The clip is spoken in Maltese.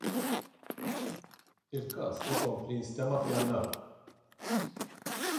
Il-każ ikompli jinstema' f'Jannar.